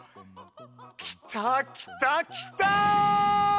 きたきたきた！